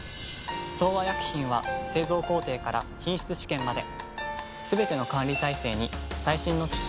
東和薬品は製造工程から品質試験まですべての管理体制に最新の機器や技術を導入。